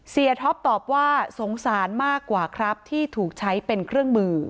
ท็อปตอบว่าสงสารมากกว่าครับที่ถูกใช้เป็นเครื่องมือ